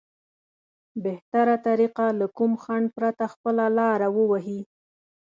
بهتره طريقه له کوم خنډ پرته خپله لاره ووهي.